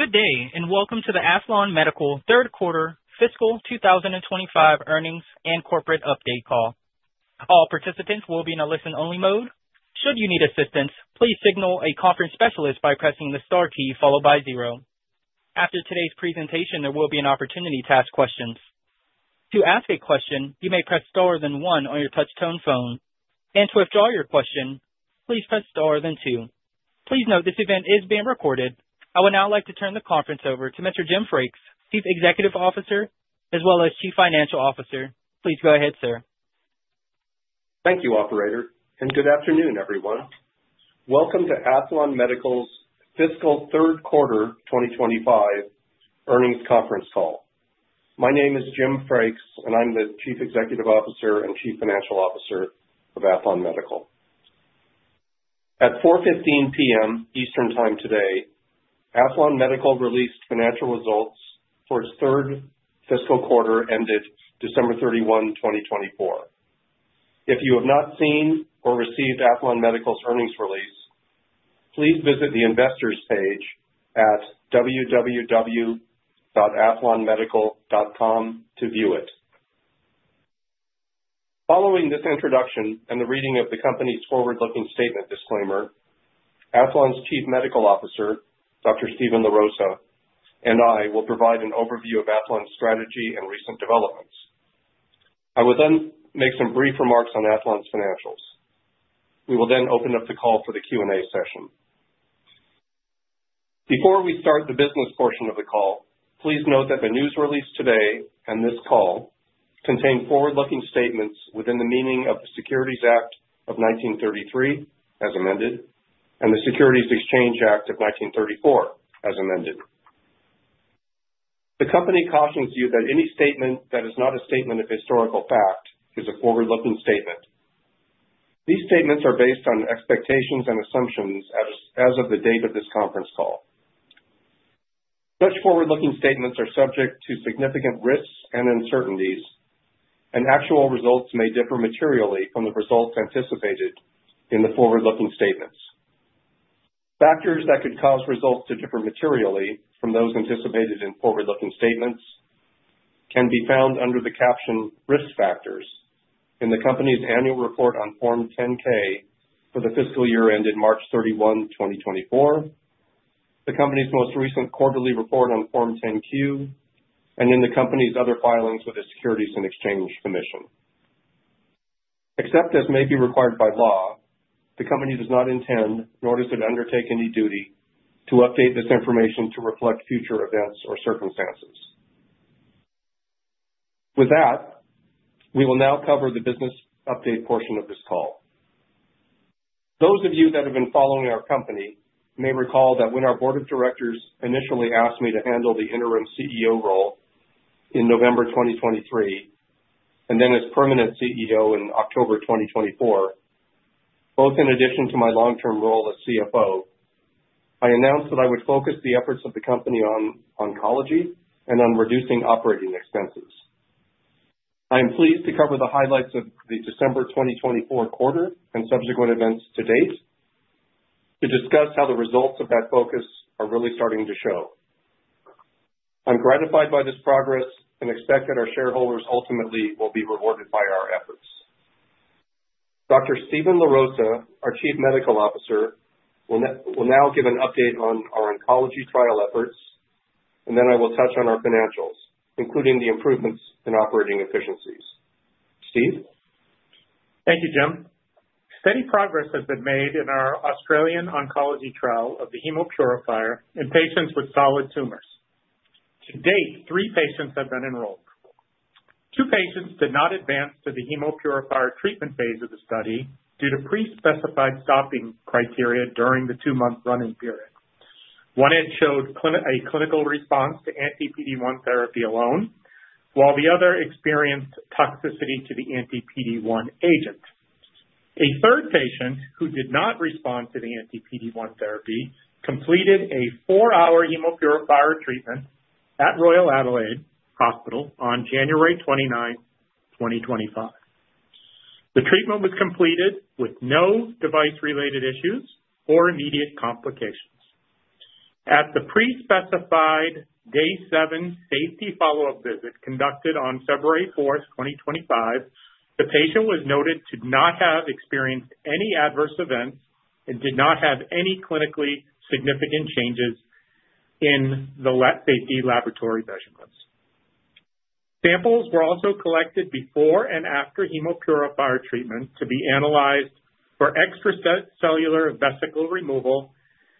Good day, and Welcome to the Aethlon Medical third quarter fiscal 2025 earnings and corporate update call. All participants will be in a listen-only mode. Should you need assistance, please signal a conference specialist by pressing the star key followed by zero. After today's presentation, there will be an opportunity to ask questions. To ask a question, you may press star then one on your touch-tone phone. To withdraw your question, please press star then two. Please note this event is being recorded. I would now like to turn the conference over to Mr. Jim Frakes, Chief Executive Officer, as well as Chief Financial Officer. Please go ahead, sir. Thank you, Operator. Good afternoon, everyone. Welcome to Aethlon Medical's fiscal third quarter 2025 earnings conference call. My name is Jim Frakes, and I'm the Chief Executive Officer and Chief Financial Officer of Aethlon Medical. At 4:15 P.M. Eastern Time today, Aethlon Medical released financial results for its third fiscal quarter ended December 31, 2024. If you have not seen or received Aethlon Medical's earnings release, please visit the investors' page at www.aethlonmedical.com to view it. Following this introduction and the reading of the company's forward-looking statement disclaimer, Aethlon's Chief Medical Officer, Dr. Steven LaRosa, and I will provide an overview of Aethlon's strategy and recent developments. I will then make some brief remarks on Aethlon's financials. We will then open up the call for the Q&A session. Before we start the business portion of the call, please note that the news released today and this call contain forward-looking statements within the meaning of the Securities Act of 1933, as amended, and the Securities Exchange Act of 1934, as amended. The company cautions you that any statement that is not a statement of historical fact is a forward-looking statement. These statements are based on expectations and assumptions as of the date of this conference call. Such forward-looking statements are subject to significant risks and uncertainties, and actual results may differ materially from the results anticipated in the forward-looking statements. Factors that could cause results to differ materially from those anticipated in forward-looking statements can be found under the caption risk factors in the company's annual report on Form 10-K for the fiscal year ended March 31, 2024, the company's most recent quarterly report on Form 10-Q, and in the company's other filings with the Securities and Exchange Commission. Except as may be required by law, the company does not intend, nor does it undertake any duty, to update this information to reflect future events or circumstances. With that, we will now cover the business update portion of this call. Those of you that have been following our company may recall that when our board of directors initially asked me to handle the interim CEO role in November 2023 and then as permanent CEO in October 2024, both in addition to my long-term role as CFO, I announced that I would focus the efforts of the company on oncology and on reducing operating expenses. I am pleased to cover the highlights of the December 2024 quarter and subsequent events to date to discuss how the results of that focus are really starting to show. I'm gratified by this progress and expect that our shareholders ultimately will be rewarded by our efforts. Dr. Steven LaRosa, our Chief Medical Officer, will now give an update on our oncology trial efforts, and then I will touch on our financials, including the improvements in operating efficiencies. Steve? Thank you, Jim. Steady progress has been made in our Australian oncology trial of the Hemopurifier in patients with solid tumors. To date, three patients have been enrolled. Two patients did not advance to the Hemopurifier treatment phase of the study due to pre-specified stopping criteria during the two-month run-in period. One showed a clinical response to anti-PD-1 therapy alone, while the other experienced toxicity to the anti-PD-1 agent. A third patient who did not respond to the anti-PD-1 therapy completed a four-hour Hemopurifier treatment at Royal Adelaide Hospital on January 29, 2025. The treatment was completed with no device-related issues or immediate complications. At the pre-specified day seven safety follow-up visit conducted on February 4, 2025, the patient was noted to not have experienced any adverse events and did not have any clinically significant changes in the safety laboratory measurements. Samples were also collected before and after Hemopurifier treatment to be analyzed for extracellular vesicle removal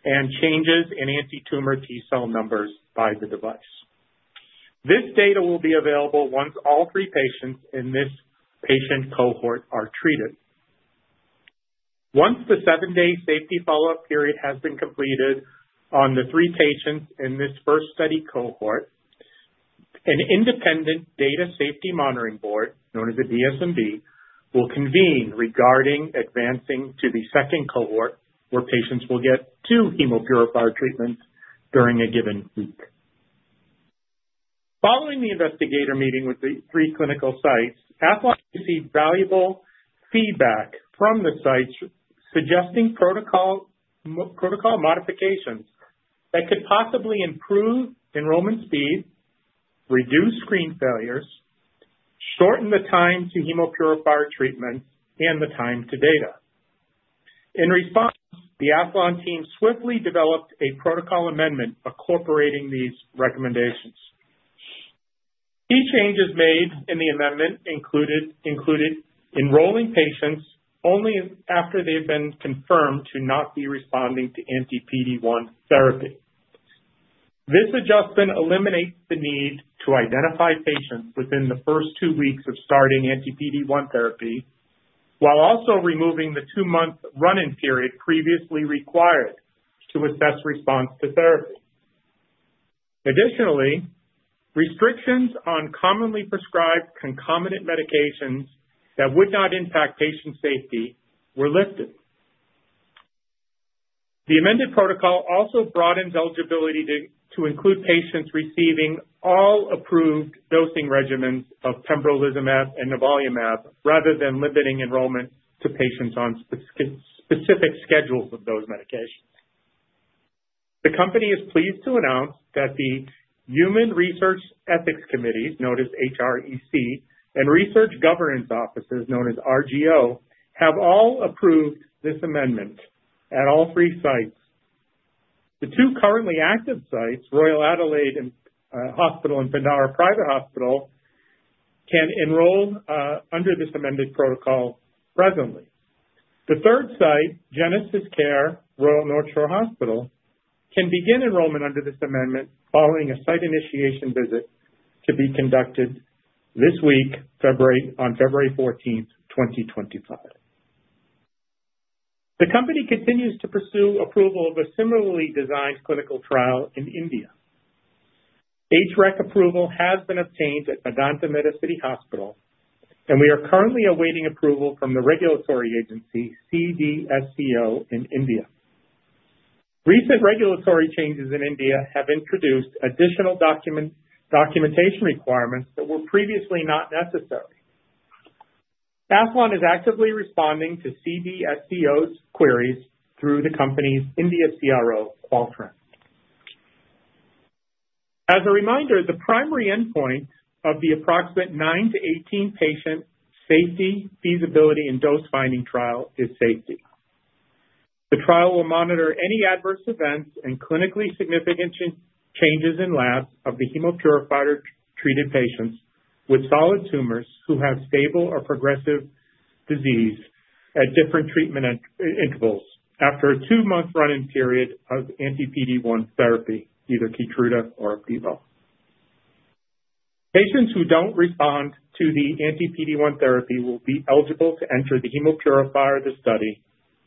and changes in anti-tumor T cell numbers by the device. This data will be available once all three patients in this patient cohort are treated. Once the seven-day safety follow-up period has been completed on the three patients in this first study cohort, an independent Data Safety Monitoring Board, known as a DSMB, will convene regarding advancing to the second cohort, where patients will get two Hemopurifier treatments during a given week. Following the investigator meeting with the three clinical sites, Aethlon received valuable feedback from the sites suggesting protocol modifications that could possibly improve enrollment speed, reduce screen failures, shorten the time to Hemopurifier treatment, and the time to data. In response, the Aethlon team swiftly developed a protocol amendment incorporating these recommendations. Key changes made in the amendment included enrolling patients only after they had been confirmed to not be responding to anti-PD-1 therapy. This adjustment eliminates the need to identify patients within the first two weeks of starting anti-PD-1 therapy, while also removing the two-month running period previously required to assess response to therapy. Additionally, restrictions on commonly prescribed concomitant medications that would not impact patient safety were lifted. The amended protocol also broadens eligibility to include patients receiving all approved dosing regimens of pembrolizumab and nivolumab rather than limiting enrollment to patients on specific schedules of those medications. The company is pleased to announce that the Human Research Ethics Committees, known as HREC, and Research Governance Offices, known as RGO, have all approved this amendment at all three sites. The two currently active sites, Royal Adelaide Hospital and Peninsula Private Hospital, can enroll under this amended protocol presently. The third site, GenesisCare Royal North Shore Hospital, can begin enrollment under this amendment following a site initiation visit to be conducted this week, on February 14, 2025. The company continues to pursue approval of a similarly designed clinical trial in India. HREC approval has been obtained at Medanta Medicity Hospital, and we are currently awaiting approval from the regulatory agency CDSCO in India. Recent regulatory changes in India have introduced additional documentation requirements that were previously not necessary. Aethlon is actively responding to CDSCO's queries through the company's India CRO, Qualtran. As a reminder, the primary endpoint of the approximate 9 patient-18 patient safety, feasibility, and dose-finding trial is safety. The trial will monitor any adverse events and clinically significant changes in labs of the Hemopurifier-treated patients with solid tumors who have stable or progressive disease at different treatment intervals after a two-month running period of anti-PD-1 therapy, either Keytruda or Opdivo. Patients who don't respond to the anti-PD-1 therapy will be eligible to enter the Hemopurifier arm of the study,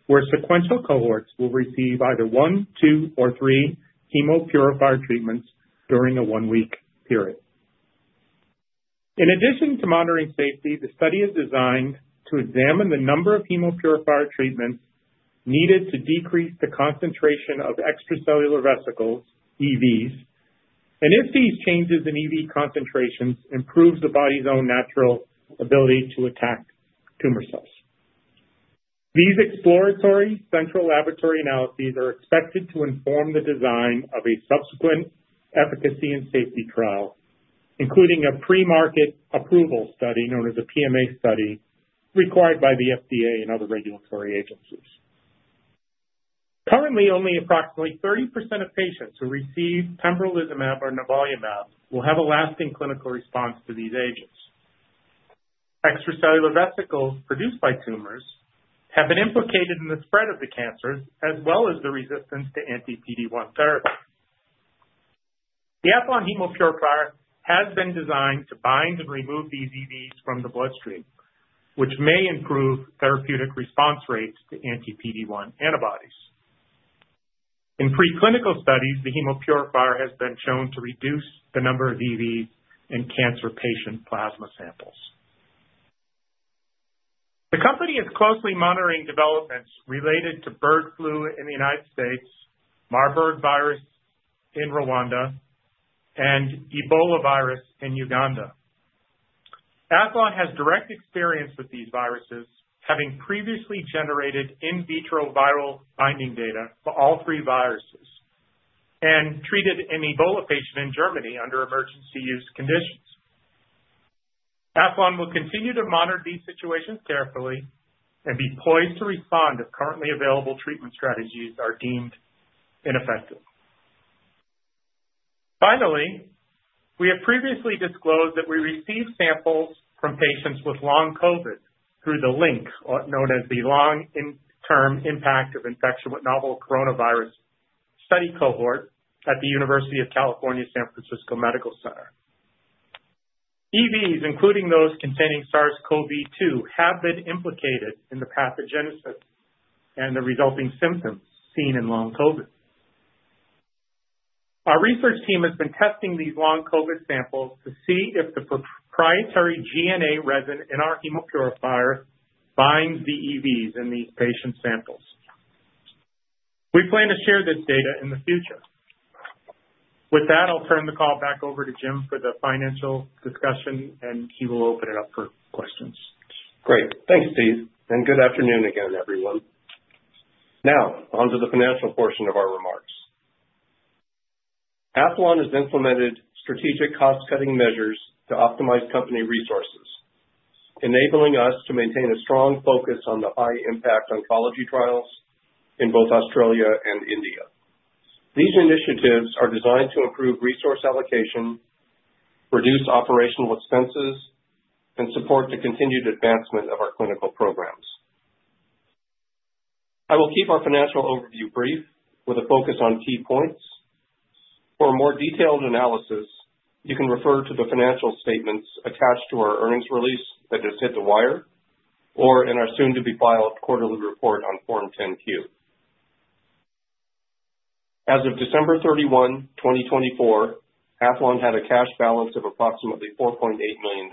where sequential cohorts will receive either one, two, or three Hemopurifier treatments during a one-week period. In addition to monitoring safety, the study is designed to examine the number of Hemopurifier treatments needed to decrease the concentration of extracellular vesicles, EVs, and if these changes in EV concentrations improve the body's own natural ability to attack tumor cells. These exploratory central laboratory analyses are expected to inform the design of a subsequent efficacy and safety trial, including a pre-market approval study known as a PMA study required by the FDA and other regulatory agencies. Currently, only approximately 30% of patients who receive pembrolizumab or nivolumab will have a lasting clinical response to these agents. Extracellular vesicles produced by tumors have been implicated in the spread of the cancers, as well as the resistance to anti-PD-1 therapy. The Aethlon Hemopurifier has been designed to bind and remove these EVs from the bloodstream, which may improve therapeutic response rates to anti-PD-1 antibodies. In preclinical studies, the Hemopurifier has been shown to reduce the number of EVs in cancer patient plasma samples. The company is closely monitoring developments related to bird flu in the United States, Marburg virus in Rwanda, and Ebola virus in Uganda. Aethlon has direct experience with these viruses, having previously generated in vitro viral binding data for all three viruses and treated an Ebola patient in Germany under emergency use conditions. Aethlon will continue to monitor these situations carefully and be poised to respond if currently available treatment strategies are deemed ineffective. Finally, we have previously disclosed that we receive samples from patients with long COVID through the LIINC known as the long-term impact of infection with novel coronavirus study cohort at the University of California, San Francisco Medical Center. EVs, including those containing SARS-CoV-2, have been implicated in the pathogenesis and the resulting symptoms seen in long COVID. Our research team has been testing these long COVID samples to see if the proprietary GNA resin in our Hemopurifier binds the EVs in these patient samples. We plan to share this data in the future. With that, I'll turn the call back over to Jim for the financial discussion, and he will open it up for questions. Great. Thanks, Steve. And good afternoon again, everyone. Now, on to the financial portion of our remarks. Aethlon has implemented strategic cost-cutting measures to optimize company resources, enabling us to maintain a strong focus on the high-impact oncology trials in both Australia and India. These initiatives are designed to improve resource allocation, reduce operational expenses, and support the continued advancement of our clinical programs. I will keep our financial overview brief with a focus on key points. For a more detailed analysis, you can refer to the financial statements attached to our earnings release that just hit the wire or in our soon-to-be filed quarterly report on Form 10-Q. As of December 31, 2024, Aethlon had a cash balance of approximately $4.8 million.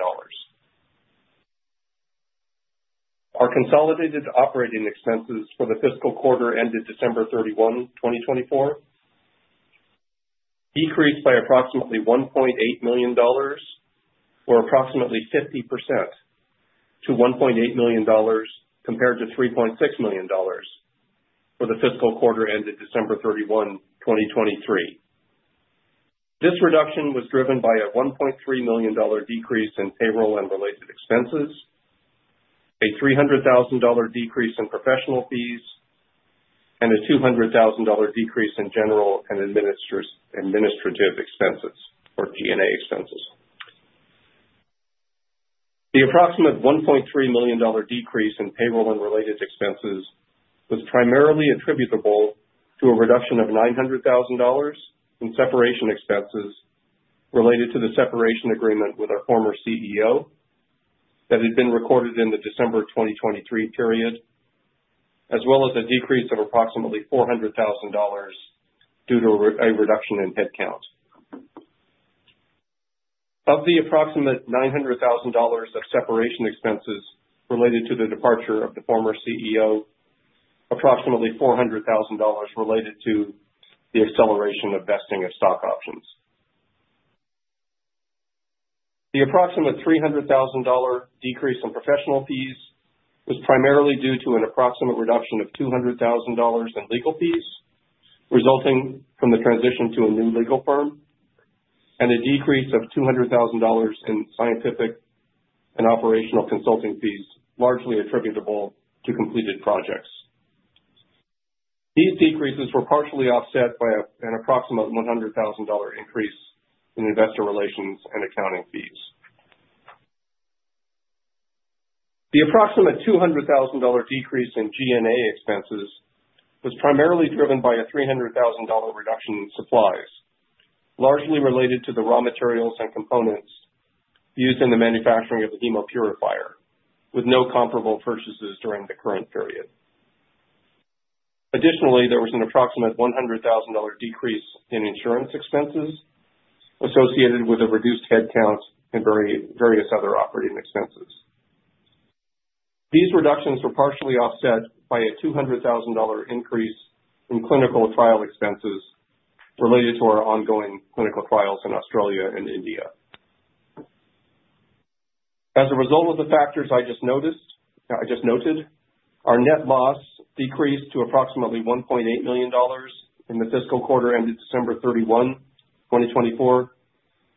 Our consolidated operating expenses for the fiscal quarter ended December 31, 2024, decreased by approximately $1.8 million or approximately 50% to $1.8 million compared to $3.6 million for the fiscal quarter ended December 31, 2023. This reduction was driven by a $1.3 million decrease in payroll and related expenses, a $300,000 decrease in professional fees, and a $200,000 decrease in general and administrative expenses or GNA expenses. The approximate $1.3 million decrease in payroll and related expenses was primarily attributable to a reduction of $900,000 in separation expenses related to the separation agreement with our former CEO that had been recorded in the December 2023 period, as well as a decrease of approximately $400,000 due to a reduction in headcount. Of the approximate $900,000 of separation expenses related to the departure of the former CEO, approximately $400,000 related to the acceleration of vesting of stock options. The approximate $300,000 decrease in professional fees was primarily due to an approximate reduction of $200,000 in legal fees resulting from the transition to a new legal firm and a decrease of $200,000 in scientific and operational consulting fees, largely attributable to completed projects. These decreases were partially offset by an approximate $100,000 increase in investor relations and accounting fees. The approximate $200,000 decrease in GNA expenses was primarily driven by a $300,000 reduction in supplies, largely related to the raw materials and components used in the manufacturing of the Hemopurifier, with no comparable purchases during the current period. Additionally, there was an approximate $100,000 decrease in insurance expenses associated with a reduced headcount and various other operating expenses. These reductions were partially offset by a $200,000 increase in clinical trial expenses related to our ongoing clinical trials in Australia and India. As a result of the factors I just noticed, our net loss decreased to approximately $1.8 million in the fiscal quarter ended December 31, 2024,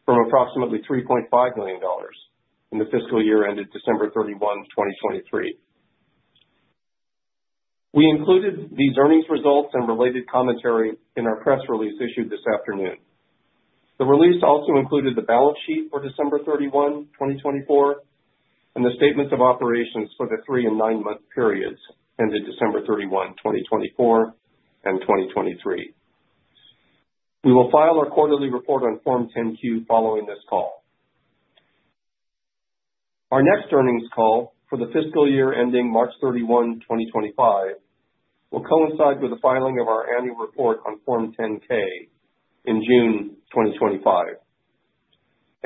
from approximately $3.5 million in the fiscal year ended December 31, 2023. We included these earnings results and related commentary in our press release issued this afternoon. The release also included the balance sheet for December 31, 2024, and the statements of operations for the three and nine-month periods ended December 31, 2024, and 2023. We will file our quarterly report on Form 10-Q following this call. Our next earnings call for the fiscal year ending March 31, 2025, will coincide with the filing of our annual report on Form 10-K in June 2025. Steve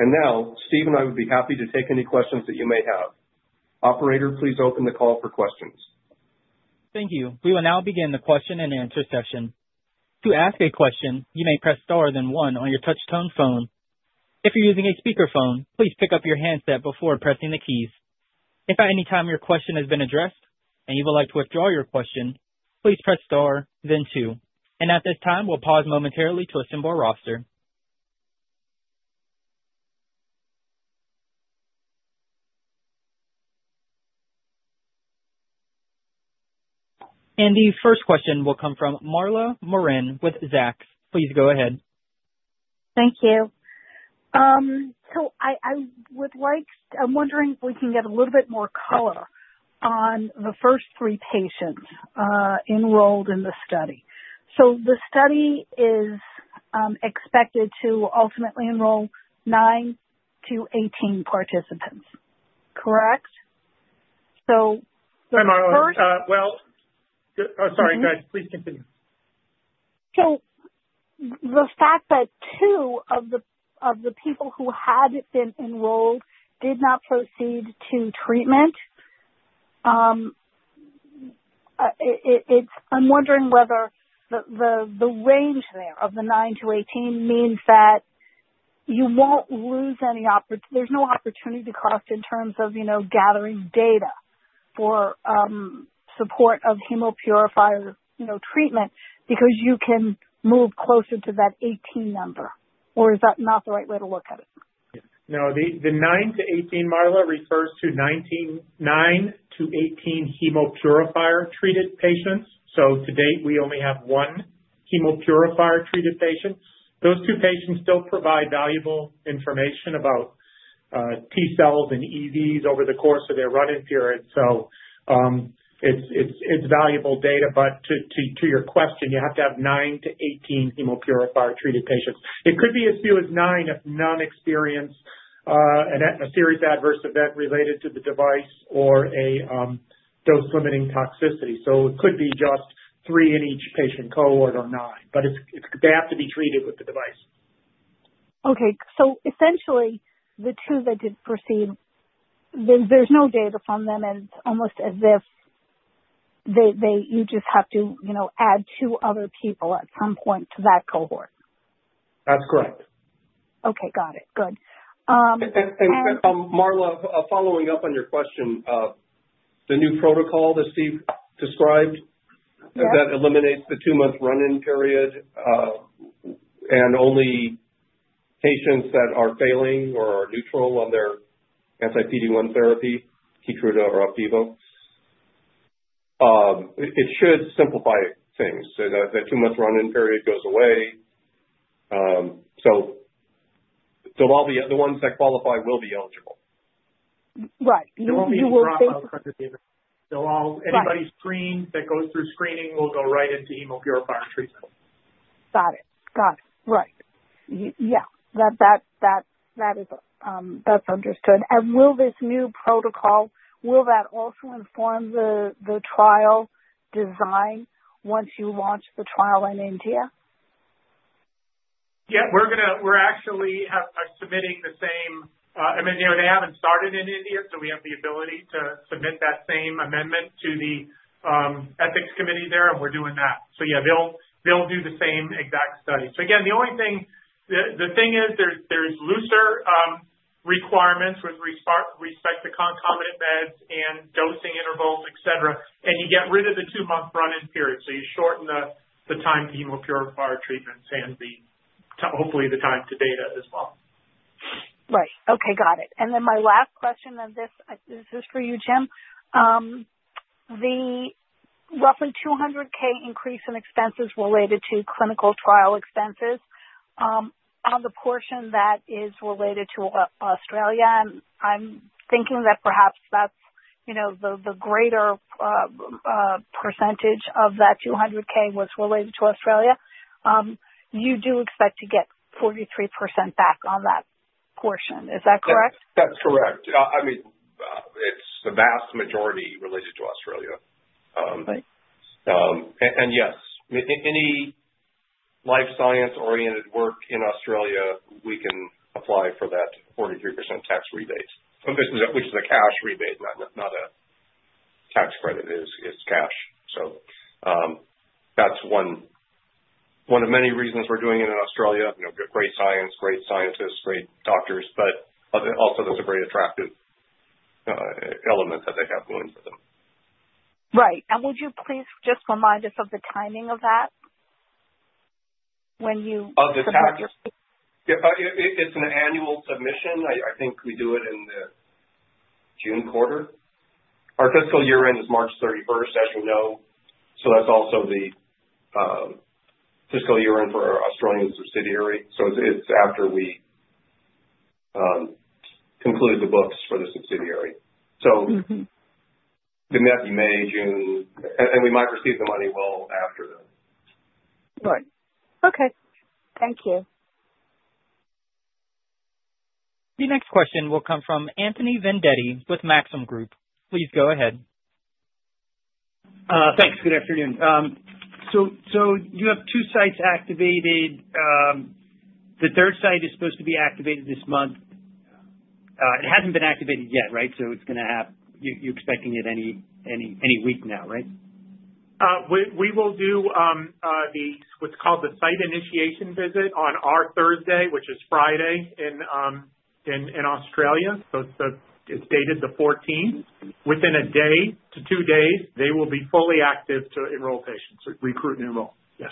and I would be happy to take any questions that you may have. Operator, please open the call for questions. Thank you. We will now begin the question and answer session. To ask a question, you may press star then one on your touch-tone phone. If you're using a speakerphone, please pick up your handset before pressing the keys. If at any time your question has been addressed and you would like to withdraw your question, please press star then two. At this time, we'll pause momentarily to assemble a roster. The first question will come from Marla Marin with Zacks. Please go ahead. Thank you. I would like—I'm wondering if we can get a little bit more color on the first three patients enrolled in the study. The study is expected to ultimately enroll 9 participants-18 participants, correct? Hey, Marla. I'm sorry, go ahead. Please continue. The fact that two of the people who had been enrolled did not proceed to treatment, I'm wondering whether the range there of the 9-18 means that you won't lose any—there's no opportunity cost in terms of gathering data for support of Hemopurifier treatment because you can move closer to that 18 number, or is that not the right way to look at it? No, the 9-18, Marla, refers to 9-18 Hemopurifier-treated patients. To date, we only have one Hemopurifier-treated patient. Those two patients still provide valuable information about T cells and EVs over the course of their running period. It is valuable data. To your question, you have to have 9-18 Hemopurifier-treated patients. It could be as few as nine if none experience a serious adverse event related to the device or a dose-limiting toxicity. It could be just three in each patient cohort or nine, but they have to be treated with the device. Okay. So essentially, the two that did proceed, there's no data from them, and it's almost as if you just have to add two other people at some point to that cohort. That's correct. Okay. Got it. Good. Marla, following up on your question, the new protocol that Steve described, that eliminates the two-month running period and only patients that are failing or are neutral on their anti-PD-1 therapy, Keytruda or Opdivo, it should simplify things so that the two-month running period goes away. All the other ones that qualify will be eligible. Right. You will. Anybody screened that goes through screening will go right into Hemopurifier treatment. Got it. Got it. Right. Yeah. That's understood. Will this new protocol, will that also inform the trial design once you launch the trial in India? Yeah. We're actually submitting the same—I mean, they haven't started in India, so we have the ability to submit that same amendment to the ethics committee there, and we're doing that. Yeah, they'll do the same exact study. Again, the only thing—the thing is there's looser requirements with respect to concomitant meds and dosing intervals, etc., and you get rid of the two-month running period. You shorten the time to Hemopurifier treatments and hopefully the time to data as well. Right. Okay. Got it. My last question of this—this is for you, Jim—the roughly $200,000 increase in expenses related to clinical trial expenses on the portion that is related to Australia. I'm thinking that perhaps the greater percentage of that $200,000 was related to Australia. You do expect to get 43% back on that portion. Is that correct? That's correct. I mean, it's the vast majority related to Australia. Yes, any life science-oriented work in Australia, we can apply for that 43% tax rebate, which is a cash rebate, not a tax credit. It's cash. That's one of many reasons we're doing it in Australia. Great science, great scientists, great doctors, but also that's a very attractive element that they have going for them. Right. Would you please just remind us of the timing of that when you submit your? Oh, the tax? Yeah. It's an annual submission. I think we do it in the June quarter. Our fiscal year-end is March 31, as you know, so that's also the fiscal year-end for our Australian subsidiary. It's after we conclude the books for the subsidiary. We met in May, June, and we might receive the money well after that. Right. Okay. Thank you. The next question will come from Anthony Vendetti with Maxim Group. Please go ahead. Thanks. Good afternoon. You have two sites activated. The third site is supposed to be activated this month. It has not been activated yet, right? It is going to have—you are expecting it any week now, right? We will do what's called the site initiation visit on our Thursday, which is Friday in Australia. So it's dated the 14th. Within a day to two days, they will be fully active to enroll patients, recruit and enroll. Yes.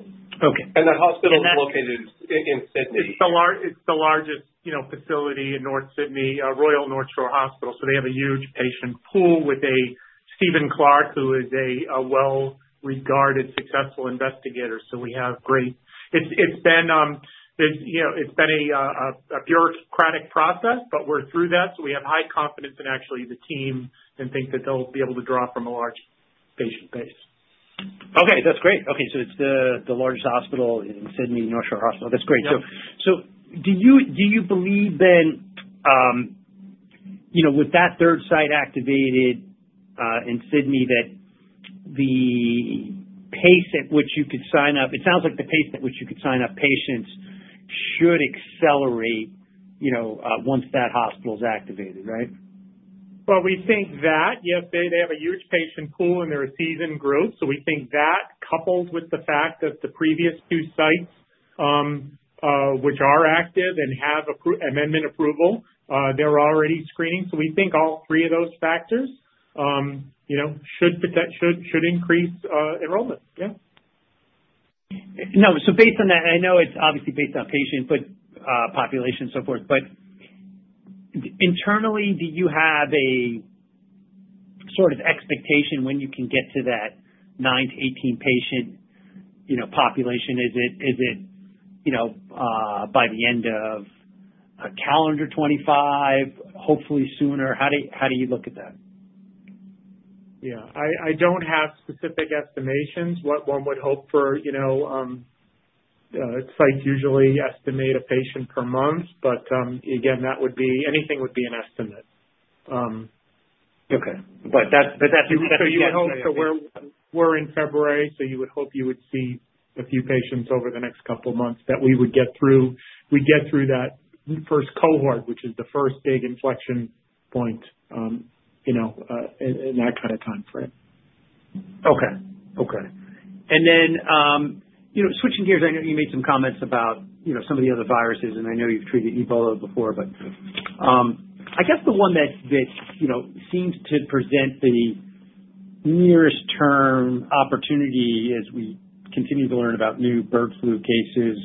Okay. The hospital is located in Sydney. It's the largest facility in North Sydney, Royal North Shore Hospital. They have a huge patient pool with Stephen Clarke, who is a well-regarded, successful investigator. We have great—it's been a bureaucratic process, but we're through that. We have high confidence in actually the team and think that they'll be able to draw from a large patient base. Okay. That's great. Okay. It is the largest hospital in Sydney, North Shore Hospital. That's great. Do you believe then with that third site activated in Sydney that the pace at which you could sign up—it sounds like the pace at which you could sign up patients should accelerate once that hospital is activated, right? We think that, yes, they have a huge patient pool and they're a seasoned group. We think that coupled with the fact that the previous two sites, which are active and have amendment approval, they're already screening. We think all three of those factors should increase enrollment. Yeah. No. Based on that, I know it's obviously based on patient population and so forth, but internally, do you have a sort of expectation when you can get to that 9 patient-18 patient population? Is it by the end of calendar 2025, hopefully sooner? How do you look at that? Yeah. I don't have specific estimations. One would hope for—sites usually estimate a patient per month, but again, anything would be an estimate. Okay. That is—. You would hope for—we're in February, so you would hope you would see a few patients over the next couple of months that we would get through—we get through that first cohort, which is the first big inflection point in that kind of timeframe. Okay. Okay. Switching gears, I know you made some comments about some of the other viruses, and I know you've treated Ebola before, but I guess the one that seems to present the nearest-term opportunity as we continue to learn about new bird flu cases,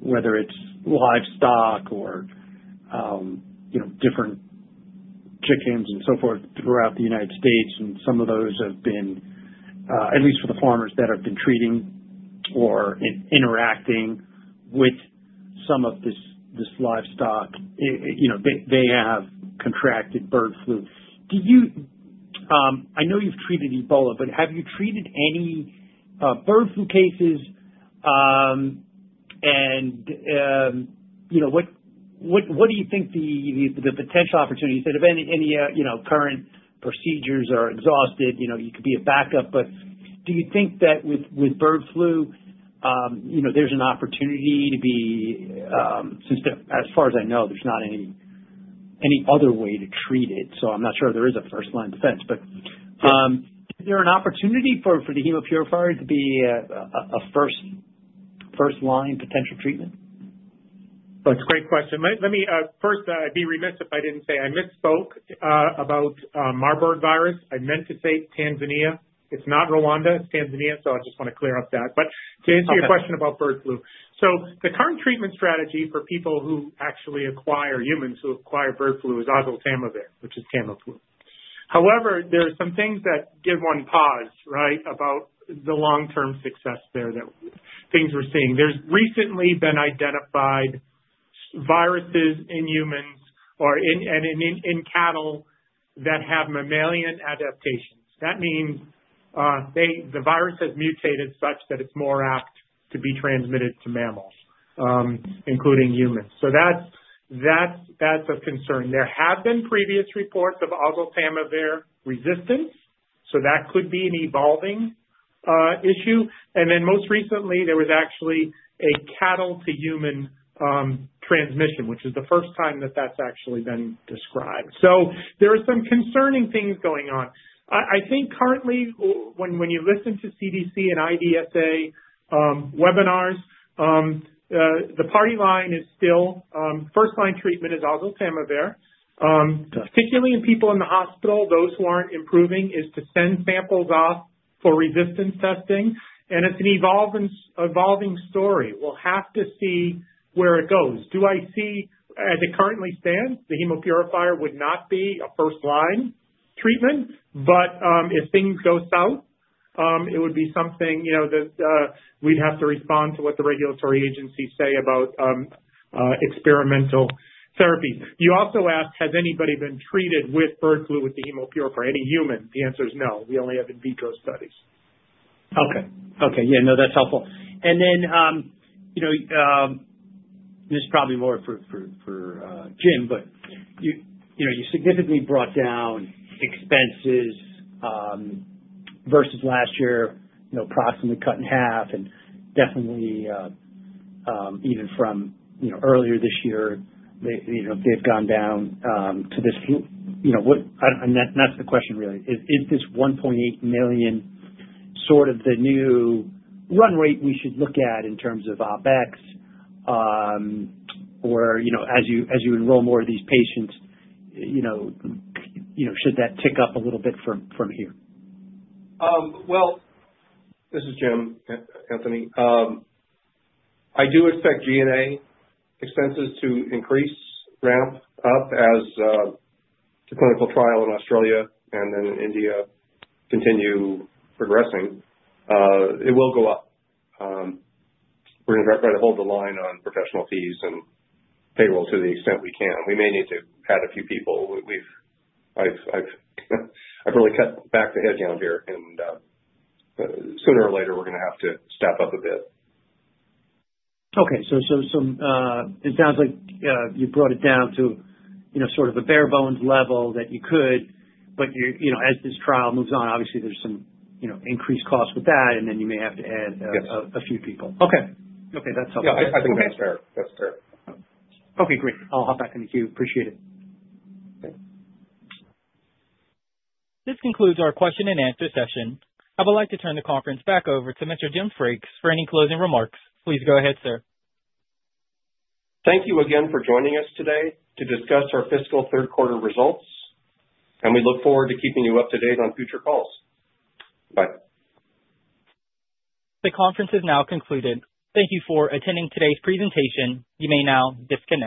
whether it's livestock or different chickens and so forth throughout the United States, and some of those have been, at least for the farmers that have been treating or interacting with some of this livestock, they have contracted bird flu. I know you've treated Ebola, but have you treated any bird flu cases? What do you think the potential opportunity is—if any current procedures are exhausted, you could be a backup—do you think that with bird flu, there's an opportunity to be, as far as I know, there's not any other way to treat it. I'm not sure there is a first-line defense, but is there an opportunity for the Hemopurifier to be a first-line potential treatment? That's a great question. First, I'd be remiss if I didn't say I misspoke about Marburg virus. I meant to say Tanzania. It's not Rwanda. It's Tanzania. I just want to clear up that. To answer your question about bird flu, the current treatment strategy for people who actually acquire—humans who acquire bird flu is oseltamivir, which is Tamiflu. However, there are some things that give one pause, right, about the long-term success there that things we're seeing. There's recently been identified viruses in humans and in cattle that have mammalian adaptations. That means the virus has mutated such that it's more apt to be transmitted to mammals, including humans. That's a concern. There have been previous reports of oseltamivir resistance, so that could be an evolving issue. Most recently, there was actually a cattle-to-human transmission, which is the first time that has actually been described. There are some concerning things going on. I think currently, when you listen to CDC and IDSA webinars, the party line is still first-line treatment is oseltamivir. Particularly in people in the hospital, those who are not improving, is to send samples off for resistance testing. It is an evolving story. We will have to see where it goes. Do I see—as it currently stands, the Hemopurifier would not be a first-line treatment, but if things go south, it would be something that we would have to respond to what the regulatory agencies say about experimental therapies. You also asked, has anybody been treated with bird flu with the Hemopurifier? Any human? The answer is no. We only have in vitro studies. Okay. Okay. Yeah. No, that's helpful. This is probably more for Jim, but you significantly brought down expenses versus last year, approximately cut in half. Definitely, even from earlier this year, they've gone down to this, and that's the question really. Is this $1.8 million sort of the new run rate we should look at in terms of OpEx? Or as you enroll more of these patients, should that tick up a little bit from here? This is Jim, Anthony. I do expect G&A expenses to increase, ramp up as the clinical trial in Australia and then in India continue progressing. It will go up. We're going to try to hold the line on professional fees and payroll to the extent we can. We may need to add a few people. I've really cut back the headcount here, and sooner or later, we're going to have to step up a bit. Okay. It sounds like you brought it down to sort of a bare-bones level that you could, but as this trial moves on, obviously, there are some increased costs with that, and then you may have to add a few people. Okay. That is helpful. Yeah. I think that's fair. That's fair. Okay. Great. I'll hop back in the queue. Appreciate it. Okay. This concludes our question-and-answer session. I would like to turn the conference back over to Mr. Jim Frakes for any closing remarks. Please go ahead, sir. Thank you again for joining us today to discuss our fiscal third-quarter results, and we look forward to keeping you up to date on future calls. Bye. The conference is now concluded. Thank you for attending today's presentation. You may now disconnect.